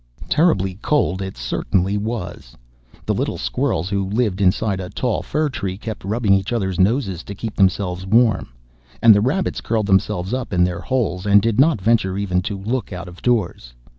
Terribly cold it certainly was. The little Squirrels, who lived inside the tall fir tree, kept rubbing each other's noses to keep themselves warm, and the Rabbits curled themselves up in their holes, and did not venture even to look out of doors.